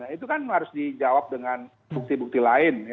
itu kan harus dijawab dengan bukti bukti lain